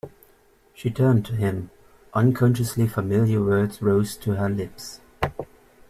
She turned to him; unconsciously familiar words rose to her lips.